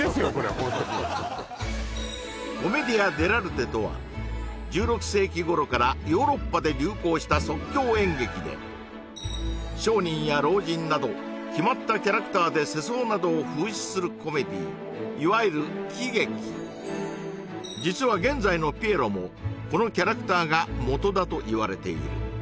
ホントにコメディア・デラルテとは１６世紀頃からヨーロッパで流行した即興演劇で商人や老人など決まったキャラクターで世相などを風刺するコメディーいわゆる喜劇実は現在のピエロもこのキャラクターが元だと言われている